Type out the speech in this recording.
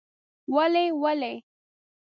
ولې؟ ولې؟؟؟ ….